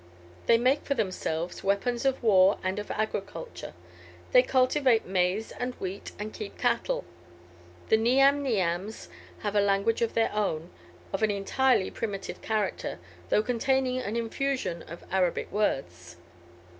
They make for themselves weapons of war and of agriculture; they cultivate maize and wheat, and keep cattle. The Niam niams have a language of their own, of an entirely primitive character, though containing an infusion of Arabic words.